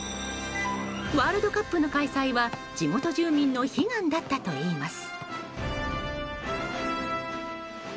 ワールドカップの開催は地元住民の悲願だったといいます。